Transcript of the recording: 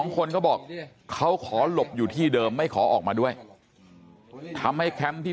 คนก็บอกเขาขอหลบอยู่ที่เดิมไม่ขอออกมาด้วยทำให้แคมป์ที่